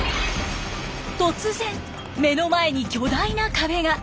突然目の前に巨大な壁が。